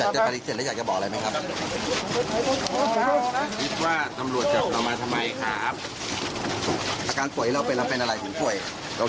เจ้าครูแภดลูคว่าจำตัวอะไรก็รู้ไหมครับ